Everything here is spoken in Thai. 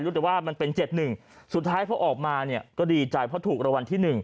แต่ว่ามันเป็น๗๑สุดท้ายพอออกมาเนี่ยก็ดีใจเพราะถูกรางวัลที่๑